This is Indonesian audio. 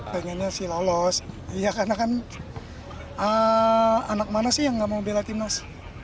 pengennya si lalos karena kan anak mana sih yang gak mau bela timnas